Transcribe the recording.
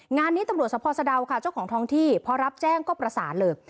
งานนี้ตำรวจสะพอสะดาวค่ะเจ้าของท้องที่พอรับแจ้งก็ประสานเลย